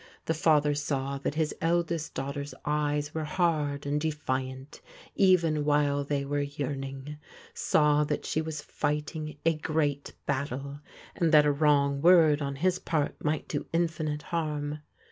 The fa ther saw that his eldest daughter's eyes were hard and defiant, even while they were yearning; saw that she was fighting a great battle, and that a wrong word on his part might do infinite harm.